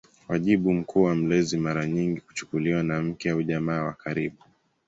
Wajibu mkuu wa mlezi mara nyingi kuchukuliwa na mke au jamaa wa karibu.